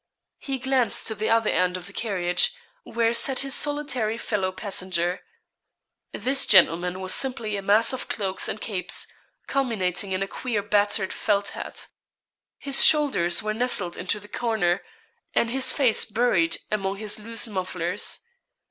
He glanced to the other end of the carriage, where sat his solitary fellow passenger. This gentleman was simply a mass of cloaks and capes, culminating in a queer battered felt hat; his shoulders were nestled into the corner, and his face buried among his loose mufflers.